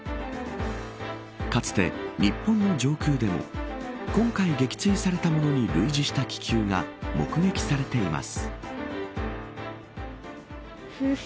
かつて日本の上空でも今回撃墜されたものに類似した気球が目撃されています。